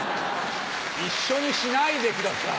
一緒にしないでください！